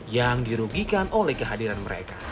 yang dirugikan oleh kehadiran mereka